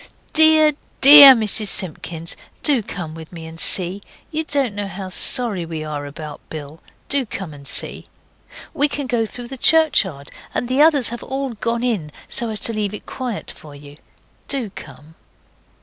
Dear, DEAR Mrs Simpkins, do come with me and see! You don't know how sorry we are about Bill. Do come and see. We can go through the churchyard, and the others have all gone in, so as to leave it quiet for you. Do come.